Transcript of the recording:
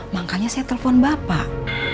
makanya saya telepon bapak